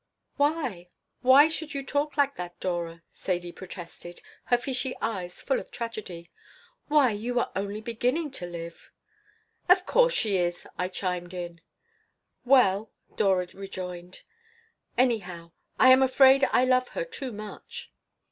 "Why? Why should you talk like that, Dora?" Sadie protested, her fishy eyes full of tragedy. "Why, you are only beginning to live." "Of course she is," I chimed in. "Well," Dora rejoined, "anyhow, I am afraid I love her too much.